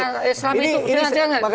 enggak enggak enggak